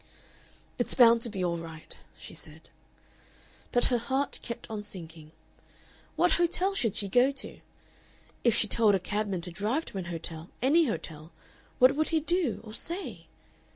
"It's bound to be all right," she said. But her heart kept on sinking. What hotel should she go to? If she told a cabman to drive to an hotel, any hotel, what would he do or say?